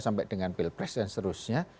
sampai dengan pilpres dan seterusnya